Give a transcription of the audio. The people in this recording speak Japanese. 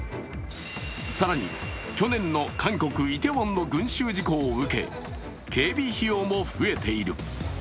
更に、去年の韓国イテウォンの群集事故を受け警備費用も増えている。